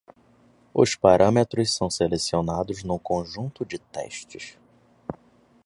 Os parâmetros são selecionados no conjunto de testes.